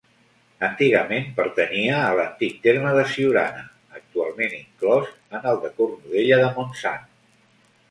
Antigament pertanyia a l'antic terme de Siurana, actualment inclòs en el de Cornudella de Montsant.